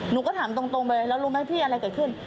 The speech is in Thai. หนูก็ถามตรงไปแล้วลุงให้พี่อะไรกันขึ้น